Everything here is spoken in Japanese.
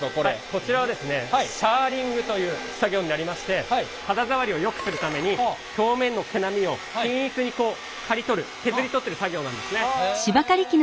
こちらはですねシャーリングという作業になりまして肌触りをよくするために表面の毛並みを均一に刈り取る削り取ってる作業なんですね。